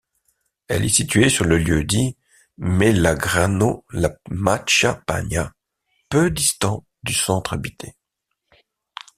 Elle est située sur le lieu-dit Melagrano-La Macchia-Pania, peu distant du centre habité.